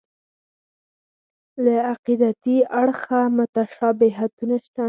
له عقیدتي اړخه مشابهتونه شته.